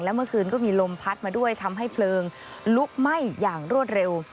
เมื่อคืนก็มีลมพัดมาด้วยทำให้เพลิงลุกไหม้อย่างรวดเร็ว